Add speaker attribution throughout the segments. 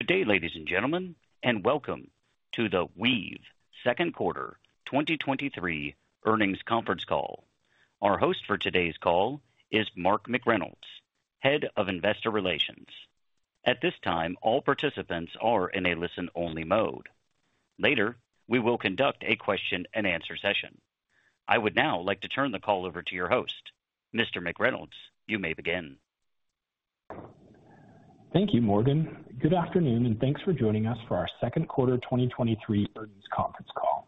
Speaker 1: Good day, ladies and gentlemen, and welcome to the Weave second quarter 2023 earnings conference call. Our host for today's call is Mark McReynolds, Head of Investor Relations. At this time, all participants are in a listen-only mode. Later, we will conduct a question-and-answer session. I would now like to turn the call over to your host. Mr. McReynolds, you may begin.
Speaker 2: Thank you, Morgan. Good afternoon, thanks for joining us for our second quarter 2023 earnings conference call.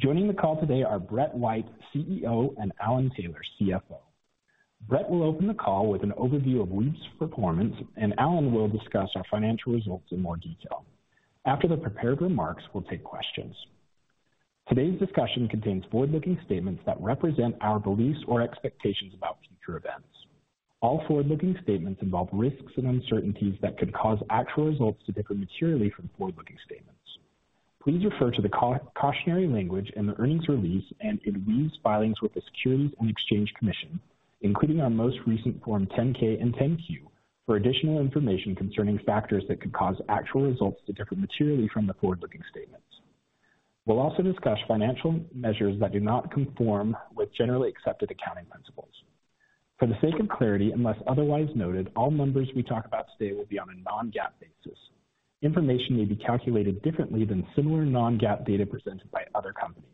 Speaker 2: Joining the call today are Brett White, CEO, Alan Taylor, CFO. Brett will open the call with an overview of Weave's performance, Alan will discuss our financial results in more detail. After the prepared remarks, we'll take questions. Today's discussion contains forward-looking statements that represent our beliefs or expectations about future events. All forward-looking statements involve risks and uncertainties that could cause actual results to differ materially from forward-looking statements. Please refer to the cautionary language in the earnings release and in Weave's filings with the Securities and Exchange Commission, including our most recent Form 10-K and 10-Q, for additional information concerning factors that could cause actual results to differ materially from the forward-looking statements. We'll also discuss financial measures that do not conform with generally accepted accounting principles. For the sake of clarity, unless otherwise noted, all numbers we talk about today will be on a non-GAAP basis. Information may be calculated differently than similar non-GAAP data presented by other companies.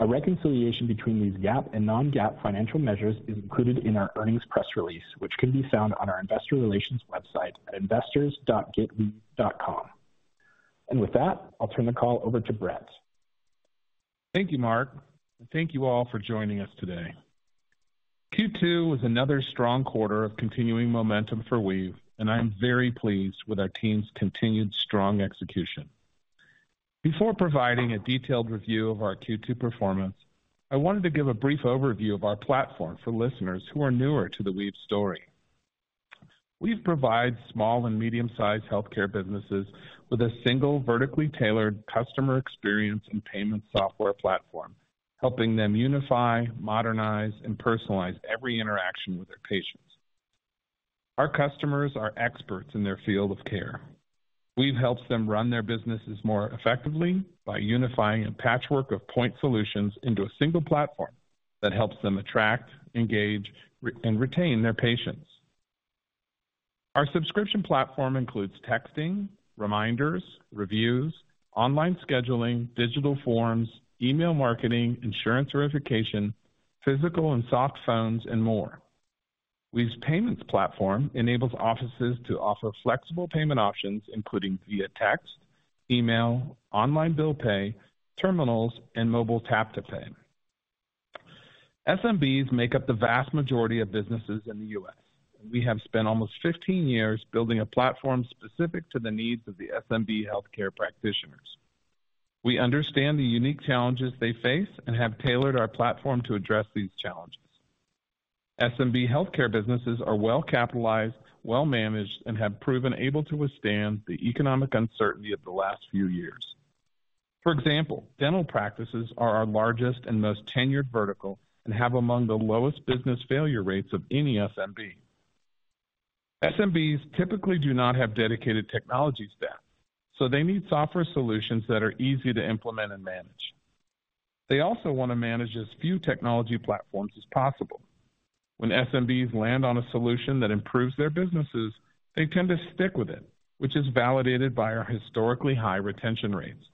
Speaker 2: A reconciliation between these GAAP and non-GAAP financial measures is included in our earnings press release, which can be found on our Investor Relations website at investors.getweave.com. With that, I'll turn the call over to Brett.
Speaker 3: Thank you, Mark, and thank you all for joining us today. Q2 was another strong quarter of continuing momentum for Weave, and I am very pleased with our team's continued strong execution. Before providing a detailed review of our Q2 performance, I wanted to give a brief overview of our platform for listeners who are newer to the Weave story. Weave provides small and medium-sized healthcare businesses with a single, vertically tailored customer experience and payment software platform, helping them unify, modernize and personalize every interaction with their patients. Our customers are experts in their field of care. Weave helps them run their businesses more effectively by unifying a patchwork of point solutions into a single platform that helps them attract, engage, and retain their patients. Our subscription platform includes texting, reminders, reviews, online scheduling, digital forms, email marketing, insurance verification, physical and Softphones, and more. Weave's Payments platform enables offices to offer flexible payment options, including via text, email, Online Bill Pay, terminals, and Mobile Tap to Pay. SMBs make up the vast majority of businesses in the U.S. We have spent almost 15 years building a platform specific to the needs of the SMB healthcare practitioners. We understand the unique challenges they face and have tailored our platform to address these challenges. SMB healthcare businesses are well-capitalized, well-managed, and have proven able to withstand the economic uncertainty of the last few years. For example, dental practices are our largest and most tenured vertical and have among the lowest business failure rates of any SMB. SMBs typically do not have dedicated technology staff, so they need software solutions that are easy to implement and manage. They also want to manage as few technology platforms as possible. When SMBs land on a solution that improves their businesses, they tend to stick with it, which is validated by our historically high retention rates.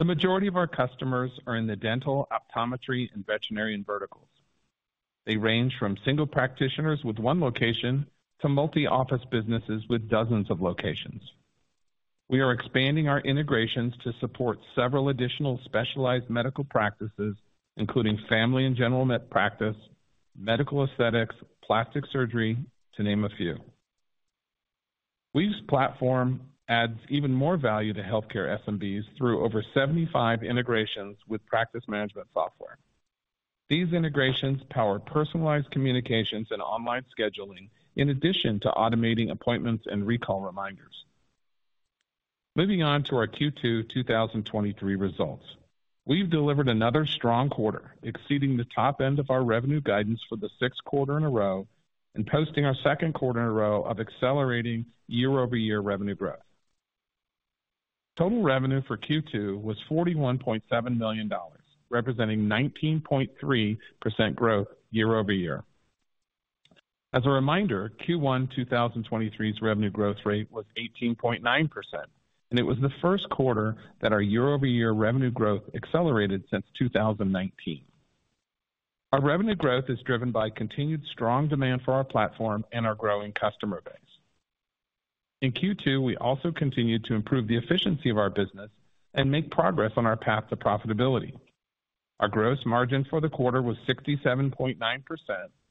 Speaker 3: The majority of our customers are in the Dental, Optometry, and Veterinary verticals. They range from single practitioners with one location to multi-office businesses with dozens of locations. We are expanding our integrations to support several additional specialized medical practices, including family and general med practice, medical aesthetics, plastic surgery, to name a few. Weave's platform adds even more value to healthcare SMBs through over 75 integrations with practice management software. These integrations power personalized communications and online scheduling, in addition to automating appointments and recall reminders. Moving on to our Q2-2023 results. We've delivered another strong quarter, exceeding the top end of our revenue guidance for the sixth quarter in a row and posting our second quarter in a row of accelerating year-over-year revenue growth. Total revenue for Q2 was $41.7 million, representing 19.3% growth year-over-year. As a reminder, Q1-2023's revenue growth rate was 18.9%, and it was the first quarter that our year-over-year revenue growth accelerated since 2019. Our revenue growth is driven by continued strong demand for our platform and our growing customer base. In Q2, we also continued to improve the efficiency of our business and make progress on our path to profitability. Our gross margin for the quarter was 67.9%,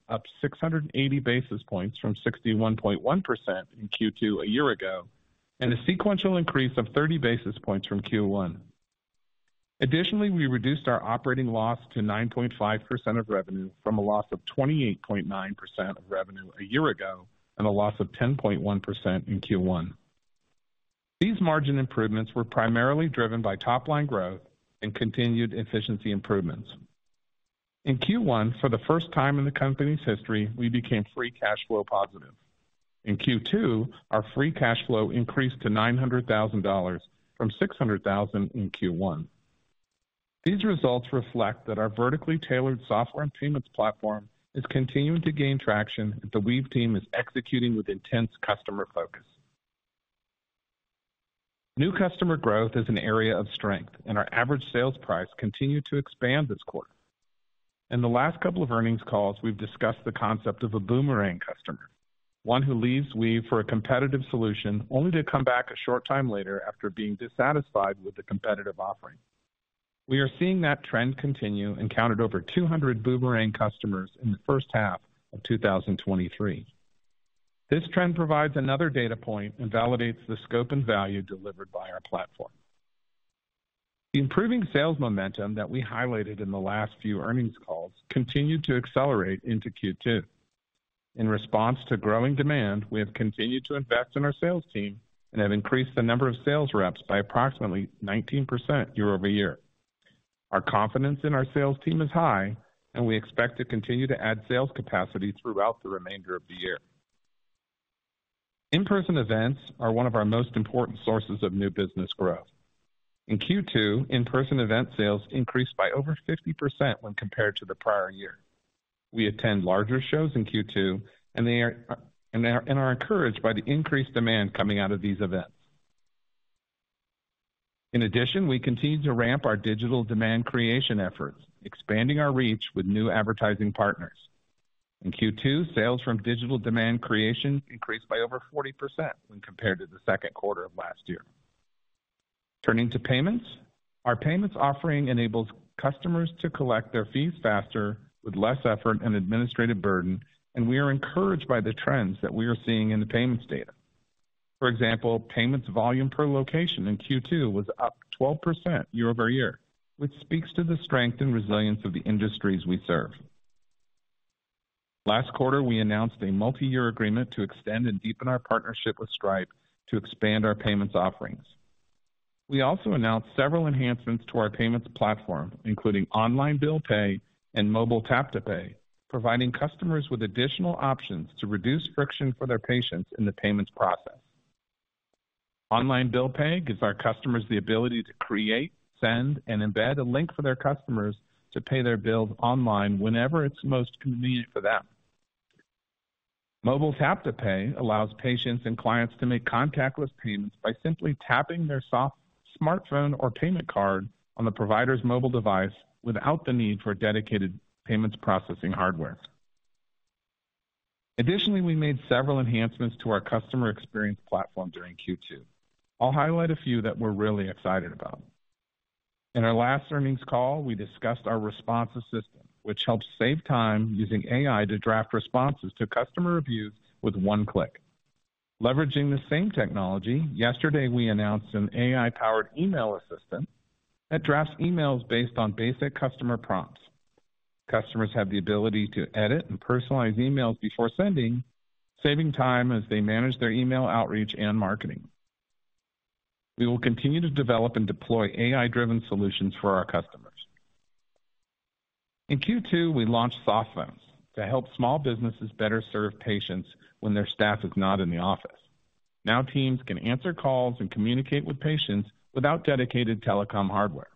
Speaker 3: up 680 basis points from 61.1% in Q2 a year ago, and a sequential increase of 30 basis points from Q1. Additionally, we reduced our operating loss to 9.5% of revenue from a loss of 28.9% of revenue a year ago, and a loss of 10.1% in Q1. These margin improvements were primarily driven by top-line growth and continued efficiency improvements. In Q1, for the first time in the company's history, we became free cash flow positive. In Q2, our free cash flow increased to $900,000 from $600,000 in Q1. These results reflect that our vertically tailored software and payments platform is continuing to gain traction, and the Weave team is executing with intense customer focus. New customer growth is an area of strength, and our average sales price continued to expand this quarter. In the last couple of earnings calls, we've discussed the concept of a boomerang customer, one who leaves Weave for a competitive solution, only to come back a short time later after being dissatisfied with the competitive offering. We are seeing that trend continue and counted over 200 boomerang customers in the first half of 2023. This trend provides another data point and validates the scope and value delivered by our platform. Improving sales momentum that we highlighted in the last few earnings calls continued to accelerate into Q2. In response to growing demand, we have continued to invest in our sales team and have increased the number of sales reps by approximately 19% year-over-year. Our confidence in our sales team is high, and we expect to continue to add sales capacity throughout the remainder of the year. In-person events are one of our most important sources of new business growth. In Q2, in-person event sales increased by over 50% when compared to the prior year. We attend larger shows in Q2, and they are, and are, and are encouraged by the increased demand coming out of these events. In addition, we continue to ramp our digital demand creation efforts, expanding our reach with new advertising partners. In Q2, sales from digital demand creation increased by over 40% when compared to the second quarter of last year. Turning to payments. Our payments offering enables customers to collect their fees faster with less effort and administrative burden, and we are encouraged by the trends that we are seeing in the payments data. For example, payments volume per location in Q2 was up 12% year-over-year, which speaks to the strength and resilience of the industries we serve. Last quarter, we announced a multi-year agreement to extend and deepen our partnership with Stripe to expand our payments offerings. We also announced several enhancements to our payments platform, including Online Bill Pay and Mobile Tap to Pay, providing customers with additional options to reduce friction for their patients in the payments process. Online Bill Pay gives our customers the ability to create, send, and embed a link for their customers to pay their bills online whenever it's most convenient for them. Mobile Tap to Pay allows patients and clients to make contactless payments by simply tapping their smartphone or payment card on the provider's mobile device without the need for dedicated payments processing hardware. Additionally, we made several enhancements to our customer experience platform during Q2. I'll highlight a few that we're really excited about. In our last earnings call, we discussed our Response Assistant, which helps save time using AI to draft responses to customer reviews with one click. Leveraging the same technology, yesterday, we announced an AI-powered Email Assistant that drafts emails based on basic customer prompts. Customers have the ability to edit and personalize emails before sending, saving time as they manage their email outreach and marketing. We will continue to develop and deploy AI-driven solutions for our customers. In Q2, we launched Softphones to help small businesses better serve patients when their staff is not in the office. Now, teams can answer calls and communicate with patients without dedicated telecom hardware.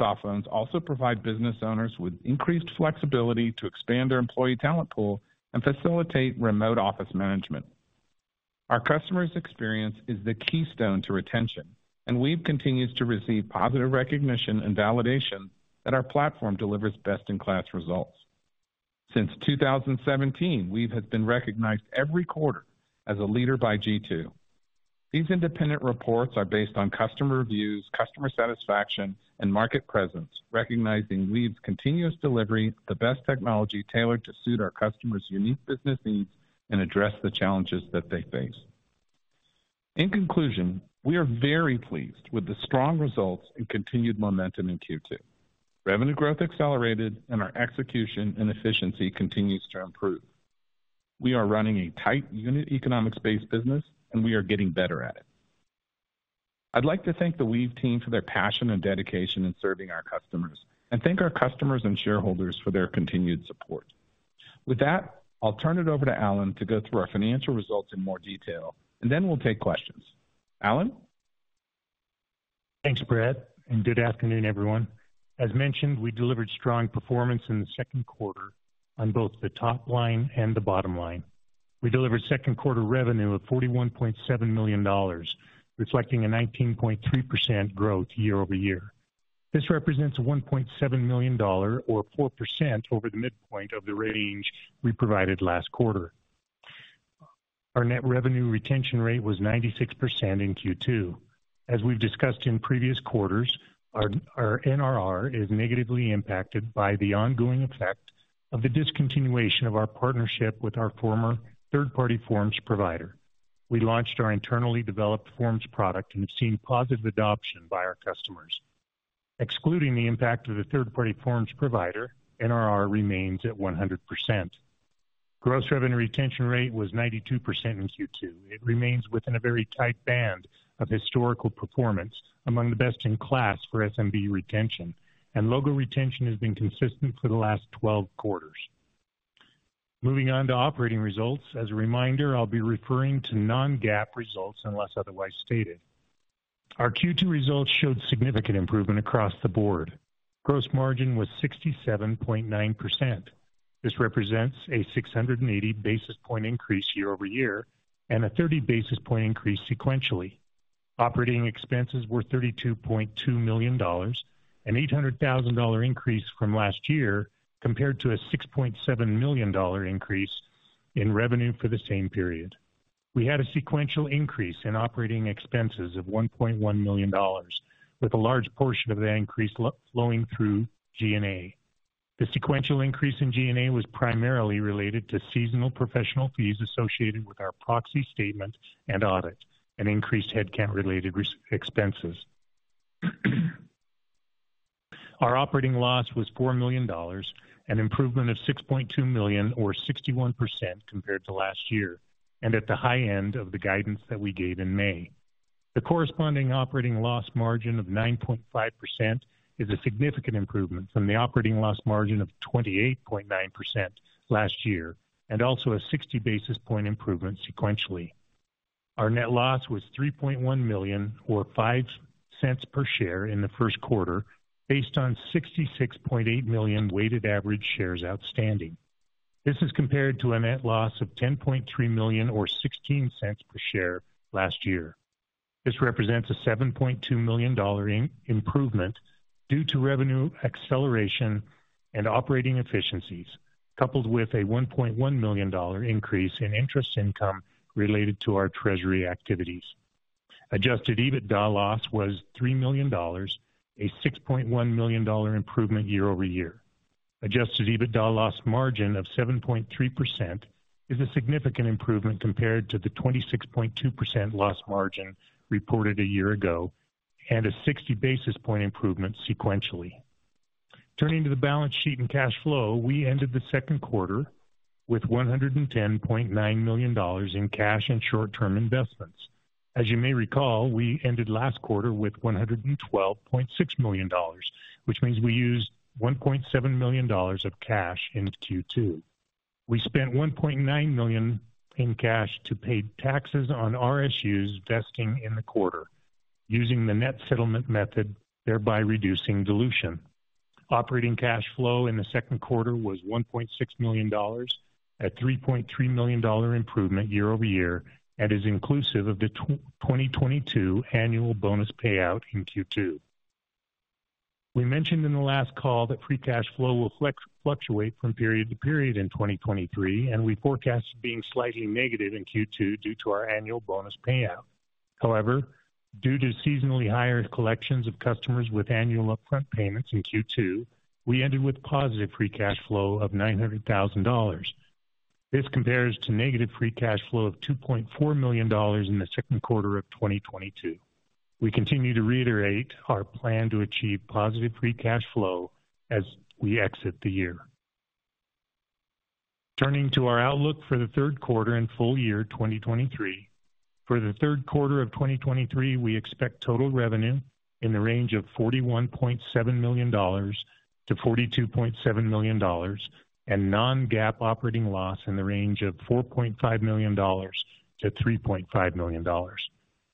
Speaker 3: Softphones also provide business owners with increased flexibility to expand their employee talent pool and facilitate remote office management. Our customers' experience is the keystone to retention, and Weave continues to receive positive recognition and validation that our platform delivers best-in-class results. Since 2017, Weave has been recognized every quarter as a leader by G2. These independent reports are based on customer reviews, customer satisfaction, and market presence, recognizing Weave's continuous delivery of the best technology tailored to suit our customers' unique business needs and address the challenges that they face. In conclusion, we are very pleased with the strong results and continued momentum in Q2. Revenue growth accelerated, and our execution and efficiency continues to improve. We are running a tight unit economics-based business, and we are getting better at it. I'd like to thank the Weave team for their passion and dedication in serving our customers. Thank our customers and shareholders for their continued support. With that, I'll turn it over to Alan to go through our financial results in more detail. Then we'll take questions. Alan?
Speaker 4: Thanks, Brett, good afternoon, everyone. As mentioned, we delivered strong performance in the second quarter on both the top line and the bottom line. We delivered second quarter revenue of $41.7 million, reflecting a 19.3% growth year-over-year. This represents a $1.7 million or 4% over the midpoint of the range we provided last quarter. Our net revenue retention rate was 96% in Q2. As we've discussed in previous quarters, our NRR is negatively impacted by the ongoing effect of the discontinuation of our partnership with our former third-party forms provider. We launched our internally developed forms product and have seen positive adoption by our customers. Excluding the impact of the third-party forms provider, NRR remains at 100%. Gross revenue retention rate was 92% in Q2. It remains within a very tight band of historical performance, among the best in class for SMB retention, and logo retention has been consistent for the last 12 quarters. Moving on to operating results. As a reminder, I'll be referring to non-GAAP results unless otherwise stated. Our Q2 results showed significant improvement across the board. Gross margin was 67.9%. This represents a 680 basis point increase year-over-year and a 30 basis point increase sequentially. Operating expenses were $32.2 million, an $800,000 increase from last year, compared to a $6.7 million increase in revenue for the same period. We had a sequential increase in operating expenses of $1.1 million, with a large portion of that increase flowing through G&A. The sequential increase in G&A was primarily related to seasonal professional fees associated with our proxy statement and audit, and increased headcount-related expenses. Our operating loss was $4 million, an improvement of $6.2 million, or 61% compared to last year, and at the high end of the guidance that we gave in May. The corresponding operating loss margin of 9.5% is a significant improvement from the operating loss margin of 28.9% last year, and also a 60 basis point improvement sequentially. Our net loss was $3.1 million, or $0.05 per share in the first quarter, based on 66.8 million weighted average shares outstanding. This is compared to a net loss of $10.3 million, or $0.16 per share last year. This represents a $7.2 million improvement due to revenue acceleration and operating efficiencies, coupled with a $1.1 million increase in interest income related to our treasury activities. Adjusted EBITDA loss was $3 million, a $6.1 million improvement year-over-year. Adjusted EBITDA loss margin of 7.3% is a significant improvement compared to the 26.2% loss margin reported a year ago, and a 60 basis point improvement sequentially. Turning to the balance sheet and cash flow, we ended the second quarter with $110.9 million in cash and short-term investments. As you may recall, we ended last quarter with $112.6 million, which means we used $1.7 million of cash in Q2. We spent $1.9 million in cash to pay taxes on RSUs vesting in the quarter, using the net settlement method, thereby reducing dilution. Operating cash flow in the second quarter was $1.6 million, a $3.3 million improvement year-over-year, and is inclusive of the 2022 annual bonus payout in Q2. We mentioned in the last call that free cash flow will fluctuate from period to period in 2023, and we forecast it being slightly negative in Q2 due to our annual bonus payout. However, due to seasonally higher collections of customers with annual upfront payments in Q2, we ended with positive free cash flow of $900,000. This compares to negative free cash flow of $2.4 million in the second quarter of 2022. We continue to reiterate our plan to achieve positive free cash flow as we exit the year. Turning to our outlook for the third quarter and full year 2023. For the third quarter of 2023, we expect total revenue in the range of $41.7 million-$42.7 million, and non-GAAP operating loss in the range of $4.5 million to $3.5 million.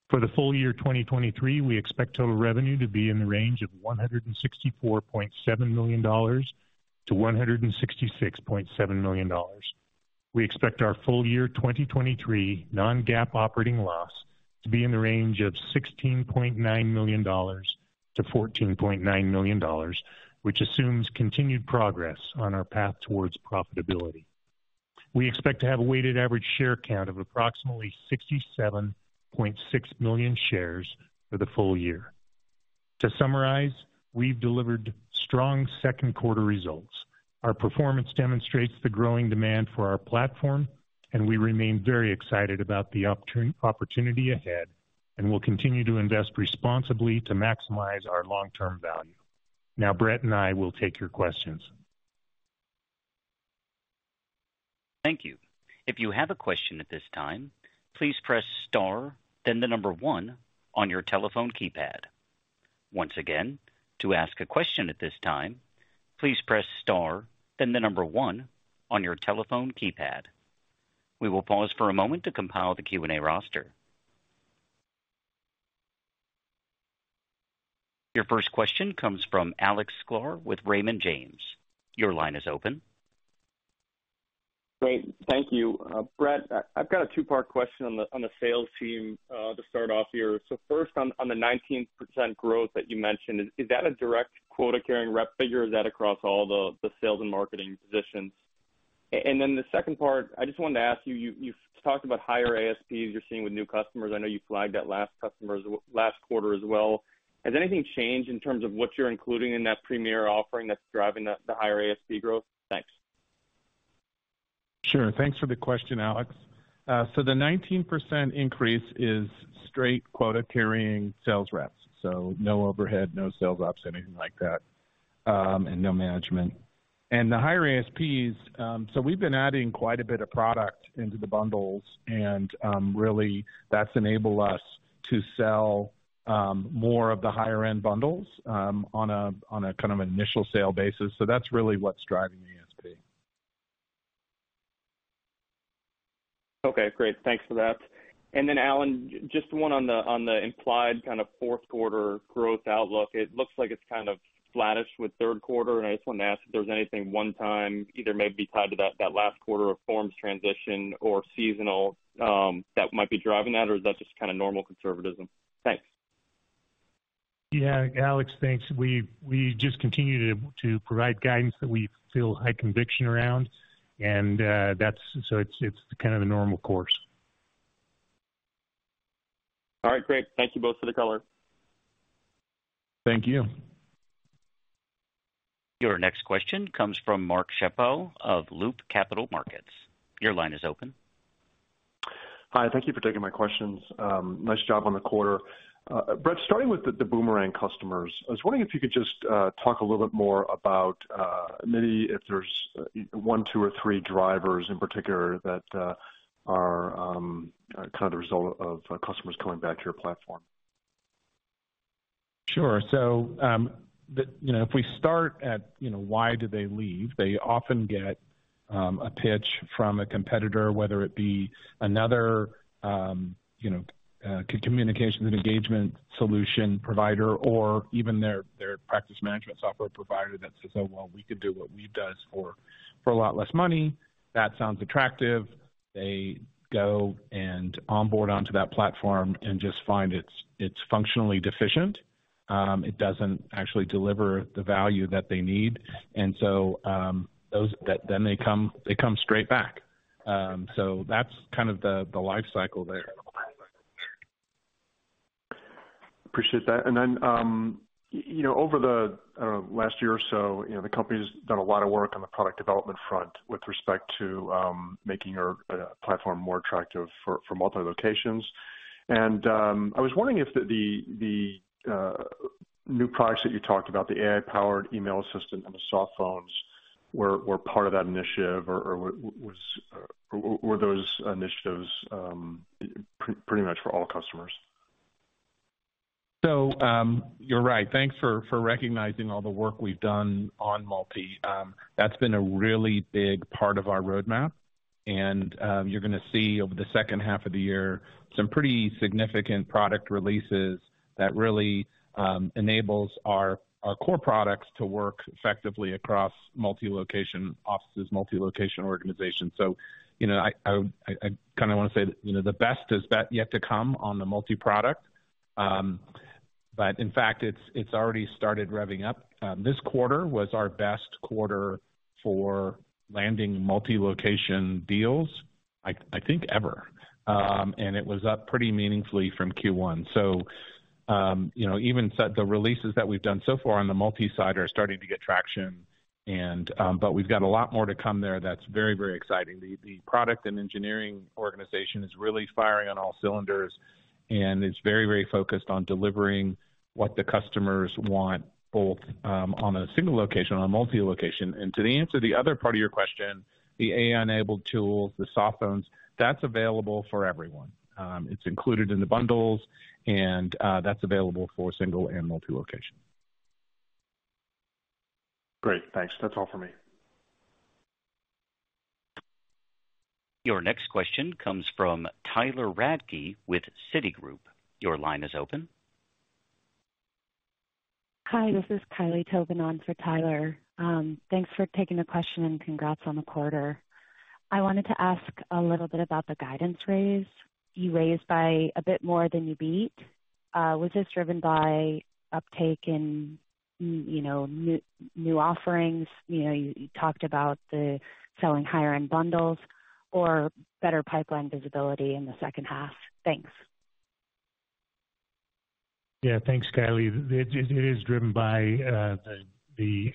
Speaker 4: For the full year 2023, we expect total revenue to be in the range of $164.7 million-$166.7 million. We expect our full year 2023 non-GAAP operating loss to be in the range of $16.9 million to $14.9 million, which assumes continued progress on our path towards profitability. We expect to have a weighted average share count of approximately 67.6 million shares for the full year. To summarize, we've delivered strong second quarter results. Our performance demonstrates the growing demand for our platform, and we remain very excited about the opportunity ahead, and we'll continue to invest responsibly to maximize our long-term value. Now Brett and I will take your questions.
Speaker 1: Thank you. If you have a question at this time, please press star, then the number one on your telephone keypad. Once again, to ask a question at this time, please press star, then the number one on your telephone keypad. We will pause for a moment to compile the Q&A roster. Your first question comes from Alex Sklar with Raymond James. Your line is open.
Speaker 5: Great. Thank you. Brett, I've got a two-part question on the sales team, to start off here. First, on the 19% growth that you mentioned, is that a direct quota-carrying rep figure, or is that across all the sales and marketing positions? Then the second part, I just wanted to ask you, you've talked about higher ASPs you're seeing with new customers. I know you flagged that last quarter as well. Has anything changed in terms of what you're including in that premier offering that's driving the higher ASP growth? Thanks.
Speaker 3: Sure. Thanks for the question, Alex. The 19% increase is straight quota-carrying sales reps, so no overhead, no sales ops, anything like that, and no management. The higher ASPs, so we've been adding quite a bit of product into the bundles, and really, that's enabled us to sell more of the higher-end bundles on a, on a kind of initial sale basis. That's really what's driving the ASP.
Speaker 5: Okay, great. Thanks for that. Then, Alan, just one on the, on the implied kind of fourth quarter growth outlook. It looks like it's kind of flattish with third quarter, and I just wanted to ask if there's anything one-time, either maybe tied to that, that last quarter of forms transition or seasonal, that might be driving that, or is that just kind of normal conservatism? Thanks.
Speaker 4: Yeah, Alex, thanks. We, we just continue to, to provide guidance that we feel high conviction around, and that's, so it's kind of the normal course.
Speaker 5: All right, great. Thank you both for the color.
Speaker 3: Thank you.
Speaker 1: Your next question comes from Mark Schappel of Loop Capital Markets. Your line is open.
Speaker 6: Hi, thank you for taking my questions. Nice job on the quarter. Brett, starting with the boomerang customers, I was wondering if you could just talk a little bit more about maybe if there's one, two, or three drivers in particular that are kind of the result of customers coming back to your platform?
Speaker 3: Sure. The, you know, if we start at, you know, why did they leave? They often get a pitch from a competitor, whether it be another, you know, communications and engagement solution provider or even their, their practice management software provider that says, "Oh, well, we could do what we've done for, for a lot less money." That sounds attractive. They go and onboard onto that platform and just find it's, it's functionally deficient. It doesn't actually deliver the value that they need. Those, that, then they come, they come straight back. That's kind of the, the life cycle there.
Speaker 6: Appreciate that. Then, you know, over the last year or so, you know, the company's done a lot of work on the product development front with respect to making your platform more attractive for multi-locations. I was wondering if the new products that you talked about, the AI-powered Email Assistant and the Softphones, were part of that initiative, or were those initiatives pretty much for all customers?
Speaker 3: You're right. Thanks for, for recognizing all the work we've done on multi. That's been a really big part of our roadmap, and you're gonna see over the second half of the year, some pretty significant product releases that really enables our, our core products to work effectively across multi-location offices, multi-location organizations. You know, I kind of want to say, you know, the best is yet to come on the multi-product. In fact, it's, it's already started revving up. This quarter was our best quarter for landing multi-location deals, I think, ever. It was up pretty meaningfully from Q1. You know, even the releases that we've done so far on the multi-site are starting to get traction and, but we've got a lot more to come there. That's very, very exciting. The, the product and engineering organization is really firing on all cylinders, and it's very, very focused on delivering what the customers want, both, on a single location, on a multi-location. To the answer, the other part of your question, the AI-enabled tools, the Softphones, that's available for everyone. It's included in the bundles, and that's available for single and multi-location.
Speaker 6: Great, thanks. That's all for me.
Speaker 1: Your next question comes from Tyler Radke with Citigroup. Your line is open.
Speaker 7: Hi, this is Kylie Towbin on for Tyler. Thanks for taking the question, and congrats on the quarter. I wanted to ask a little bit about the guidance raise. You raised by a bit more than you beat. Was this driven by uptake in, you know, new, new offerings? You know, you, you talked about the selling higher-end bundles or better pipeline visibility in the second half. Thanks.
Speaker 4: Yeah, thanks, Kylie. It, it is driven by the, the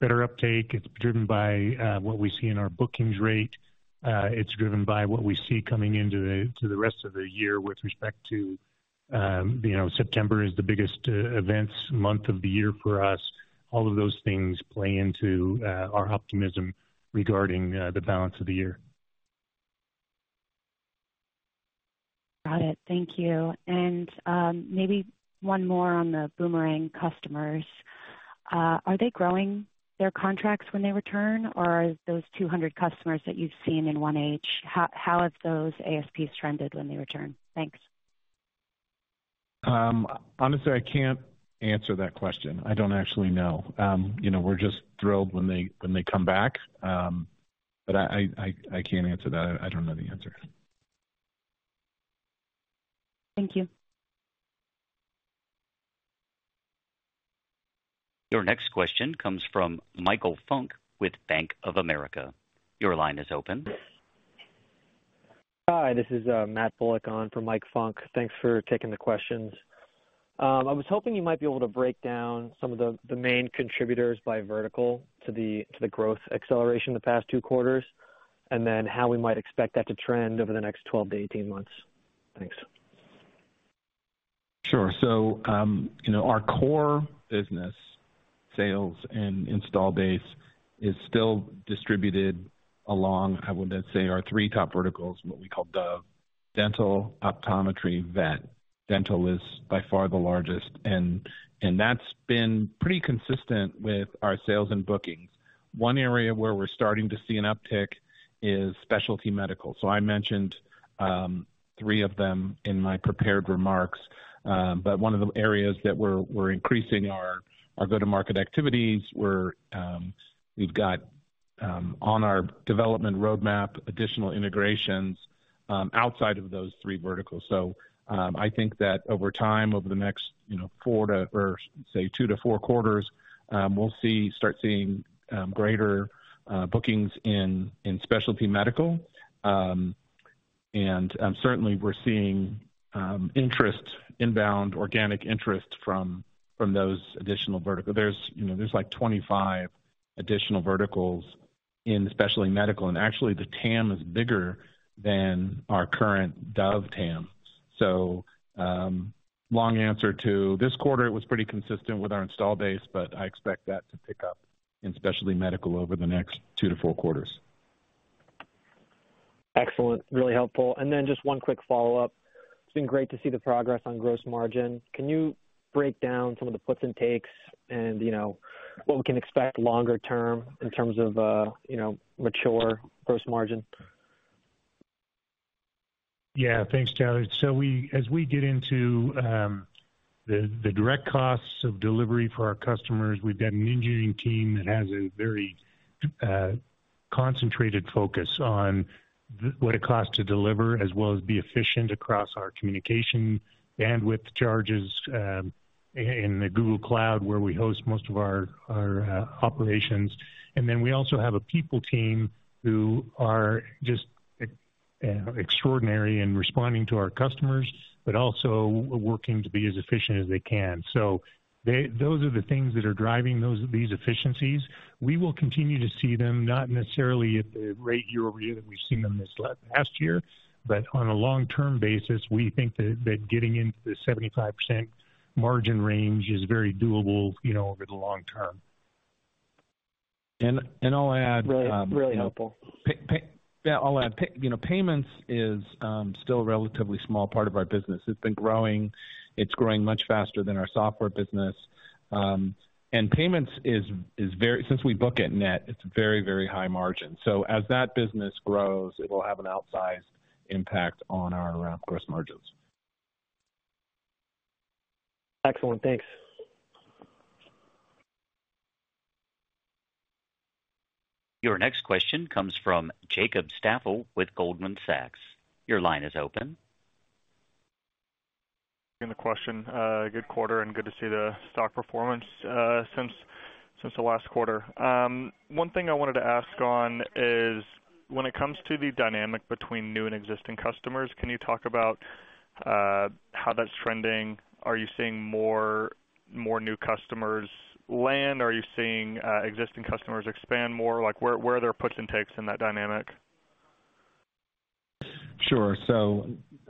Speaker 4: better uptake. It's driven by what we see in our bookings rate. It's driven by what we see coming into the, to the rest of the year with respect to, you know, September is the biggest events month of the year for us. All of those things play into our optimism regarding the balance of the year.
Speaker 7: Got it. Thank you. Maybe one more on the boomerang customers. Are they growing their contracts when they return, or are those 200 customers that you've seen in 1H, how, how have those ASPs trended when they return? Thanks.
Speaker 3: Honestly, I can't answer that question. I don't actually know. You know, we're just thrilled when they, when they come back. But I can't answer that. I don't know the answer.
Speaker 7: Thank you.
Speaker 1: Your next question comes from Michael Funk with Bank of America. Your line is open.
Speaker 8: Hi, this is Matt Bullock on for Mike Funk. Thanks for taking the questions. I was hoping you might be able to break down some of the main contributors by vertical to the growth acceleration in the past two quarters, and then how we might expect that to trend over the next 12-18 months. Thanks.
Speaker 3: Sure. You know, our core business, sales and install base, is still distributed along, I would say, our three top verticals, what we call the Dental, Optometry, Vet. Dental is by far the largest, and that's been pretty consistent with our sales and bookings. One area where we're starting to see an uptick is specialty medical. I mentioned three of them in my prepared remarks. One of the areas that we're increasing our go-to-market activities, where we've got on our development roadmap, additional integrations outside of those three verticals. I think that over time, over the next, you know, two to four quarters, we'll start seeing greater bookings in specialty medical. Certainly we're seeing interest, inbound organic interest from those additional vertical. There's, you know, there's, like, 25 additional verticals in specialty medical, and actually, the TAM is bigger than our current DOV TAM. Long answer to this quarter, it was pretty consistent with our install base, but I expect that to pick up in specialty medical over the next two to four quarters.
Speaker 8: Excellent. Really helpful. Then just one quick follow-up. It's been great to see the progress on gross margin. Can you break down some of the puts and takes and, you know, what we can expect longer term in terms of, you know, mature gross margin?
Speaker 4: Yeah, thanks, Matt. We as we get into the direct costs of delivery for our customers, we've got an engineering team that has a very concentrated focus on what it costs to deliver, as well as be efficient across our communication, bandwidth charges, in the Google Cloud, where we host most of our operations. We also have a people team who are just extraordinary in responding to our customers, but also working to be as efficient as they can. Those are the things that are driving these efficiencies. We will continue to see them, not necessarily at the rate year-over-year that we've seen them this last past year, but on a long-term basis, we think that, that getting into the 75% margin range is very doable, you know, over the long term.
Speaker 3: I'll add.
Speaker 8: Really, really helpful.
Speaker 3: Yeah, I'll add. You know, payments is still a relatively small part of our business. It's been growing, it's growing much faster than our software business. Payments is, since we book it net, it's very, very high margin. As that business grows, it will have an outsized impact on our around gross margins.
Speaker 8: Excellent. Thanks.
Speaker 1: Your next question comes from Jacob Staffel with Goldman Sachs. Your line is open.
Speaker 9: In the question. Good quarter, and good to see the stock performance since, since the last quarter. One thing I wanted to ask on is, when it comes to the dynamic between new and existing customers, can you talk about how that's trending? Are you seeing more, more new customers land, or are you seeing existing customers expand more? Like, where, where are there puts and takes in that dynamic?
Speaker 3: Sure.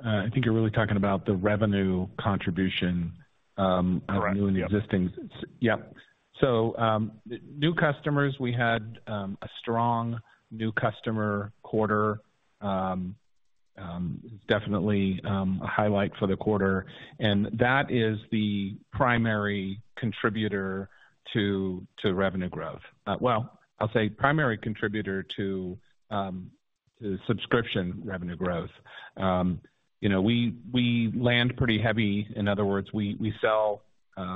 Speaker 3: I think you're really talking about the revenue contribution.
Speaker 9: Correct
Speaker 3: of new and existing. Yep. New customers, we had a strong new customer quarter. Definitely a highlight for the quarter, and that is the primary contributor to, to revenue growth. Well, I'll say primary contributor to subscription revenue growth. You know, we, we land pretty heavy. In other words, we, we sell, you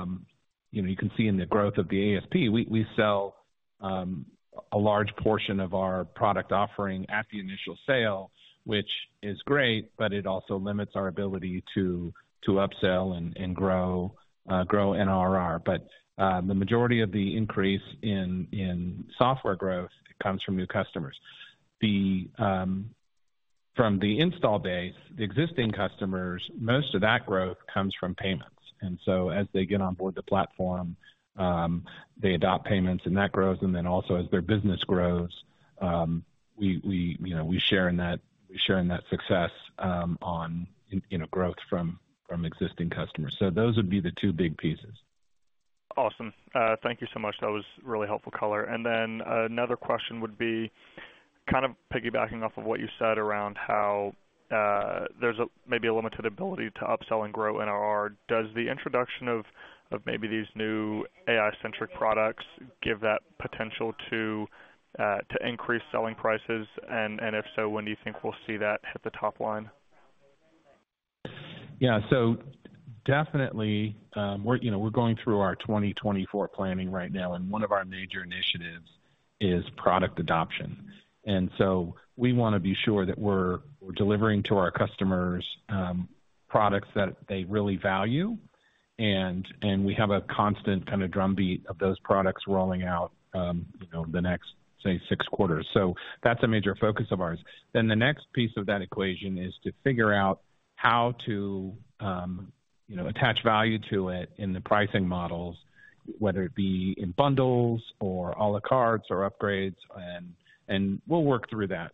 Speaker 3: know, you can see in the growth of the ASP, we, we sell a large portion of our product offering at the initial sale, which is great, but it also limits our ability to, to upsell and, and grow, grow NRR. The majority of the increase in, in software growth comes from new customers. From the install base, the existing customers, most of that growth comes from payments. As they get on board the platform, they adopt payments and that grows. Also as their business grows, we, you know, we share in that, we share in that success, on, you know, growth from existing customers. Those would be the two big pieces.
Speaker 9: Awesome. Thank you so much. That was really helpful color. Then another question would be kind of piggybacking off of what you said around how there's a maybe a limited ability to upsell and grow NRR. Does the introduction of maybe these new AI-centric products give that potential to increase selling prices? If so, when do you think we'll see that hit the top line?
Speaker 3: Yeah. Definitely, we're, you know, we're going through our 2024 planning right now, and one of our major initiatives is product adoption. We want to be sure that we're, we're delivering to our customers, products that they really value. We have a constant kind of drumbeat of those products rolling out, you know, the next, say, six quarters. That's a major focus of ours. The next piece of that equation is to figure out how to, you know, attach value to it in the pricing models, whether it be in bundles or à la cartes or upgrades, and we'll work through that.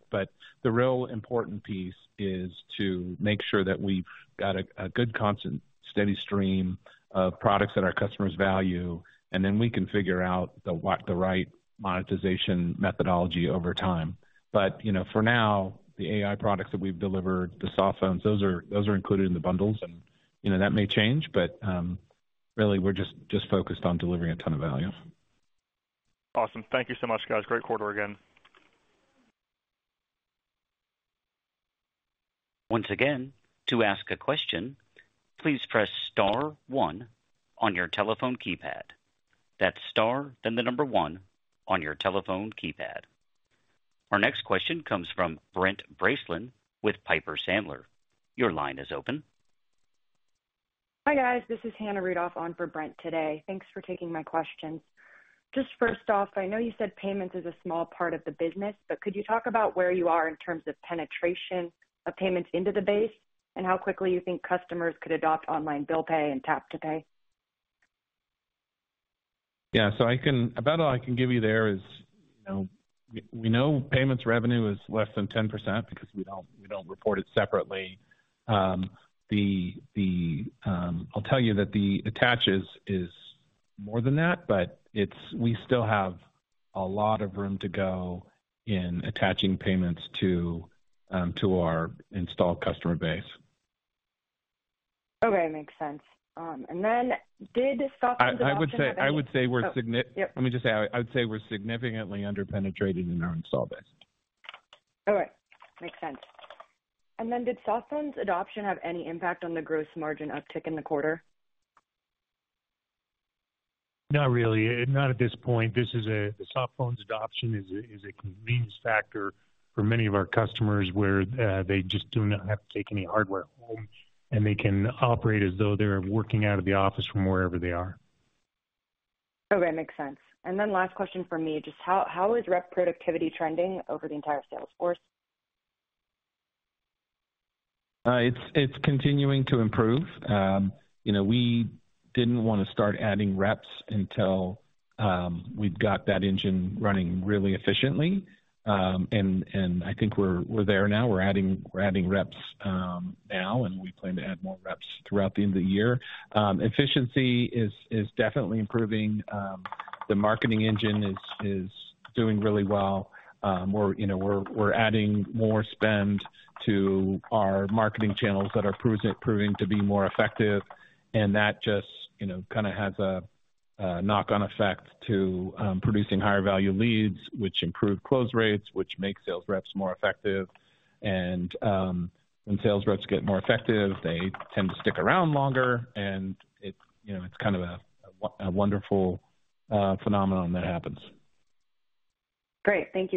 Speaker 3: The real important piece is to make sure that we've got a good, constant, steady stream of products that our customers value, and then we can figure out the right monetization methodology over time. You know, for now, the AI products that we've delivered, the Softphones, those are included in the bundles. You know, that may change, but really, we're just focused on delivering a ton of value.
Speaker 9: Awesome. Thank you so much, guys. Great quarter again.
Speaker 1: Once again, to ask a question, please press star one on your telephone keypad. That's star, then the number one on your telephone keypad. Our next question comes from Brent Bracelin with Piper Sandler. Your line is open.
Speaker 10: Hi, guys. This is Hannah Rudoff on for Brent today. Thanks for taking my questions. Just first off, I know you said payments is a small part of the business, but could you talk about where you are in terms of penetration of payments into the base and how quickly you think customers could adopt Online Bill Pay and Tap to Pay?
Speaker 3: Yeah, so I can, about all I can give you there is, you know, we know payments revenue is less than 10% because we don't, we don't report it separately. I'll tell you that the attaches is more than that, but it's, we still have a lot of room to go in attaching payments to our installed customer base.
Speaker 10: Okay, makes sense. Then did Softphones?
Speaker 3: I would say, I would say we're significantly. Let me just say, I would say we're significantly under-penetrated in our installed base.
Speaker 10: All right. Makes sense. Then did Softphones adoption have any impact on the gross margin uptick in the quarter?
Speaker 4: Not really. Not at this point. This is the Softphones adoption is a, is a convenience factor for many of our customers, where they just do not have to take any hardware home, and they can operate as though they're working out of the office from wherever they are.
Speaker 10: Okay, makes sense. Then last question from me, just how is rep productivity trending over the entire sales force?
Speaker 3: It's, it's continuing to improve. You know, we didn't want to start adding reps until we've got that engine running really efficiently. I think we're, we're there now. We're adding, we're adding reps now, and we plan to add more reps throughout the end of the year. Efficiency is, is definitely improving. The marketing engine is, is doing really well. We're, you know, we're, we're adding more spend to our marketing channels that are proving, proving to be more effective. That just, you know, kind of has a, a knock-on effect to producing higher value leads, which improve close rates, which make sales reps more effective. When sales reps get more effective, they tend to stick around longer, and it's, you know, it's kind of a wonderful phenomenon that happens.
Speaker 10: Great. Thank you, guys.